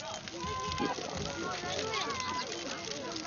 იყო ანა ბოშის უმცროსი ძმა.